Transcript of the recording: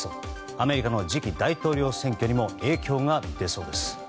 アメリカの次期大統領選挙にも影響が出そうです。